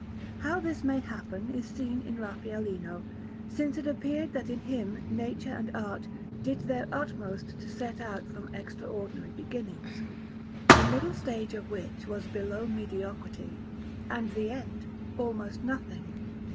How this may happen is seen in Raffaellino, since it appeared that in him nature and art did their utmost to set out from extraordinary beginnings, the middle stage of which was below mediocrity, and the end almost nothing.